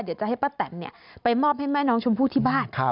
เดี๋ยวจะให้ป้าแตนไปมอบให้แม่น้องชมพู่ที่บ้าน